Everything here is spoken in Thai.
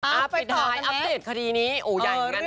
อัพอินท้ายอัพเดทคดีนี้โอ้ยใหญ่อย่างนั้นนะ